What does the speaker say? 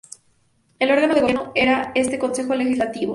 El órgano de gobierno era este Consejo Legislativo.